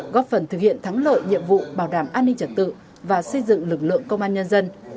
góp phần thực hiện thắng lợi nhiệm vụ bảo đảm an ninh trật tự và xây dựng lực lượng công an nhân dân